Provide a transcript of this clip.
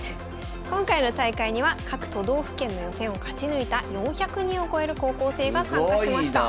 今回の大会には各都道府県の予選を勝ち抜いた４００人を超える高校生が参加しました。